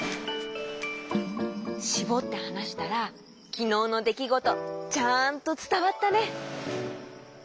しぼってはなしたらきのうのできごとちゃんとつたわったね！